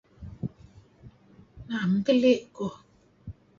Naem keli' kuh.